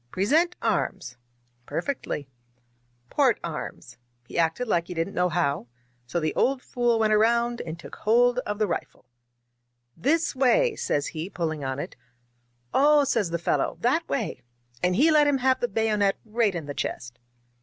" Tresent arms !' Perfectly. 65 INSURGENT MEXICO " Tort arms !' He acted like he didn't know how, so the old fool went around and took hold of the rifle. " ^This way !' says he, pulling on it. " *0h!' says the fellow, *that way!' And he let him have the bayonet right in the chest.